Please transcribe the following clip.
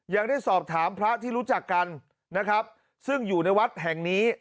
ยังได้สอบถามพระที่รู้จักกันนะครับซึ่งอยู่ในวัดแห่งนี้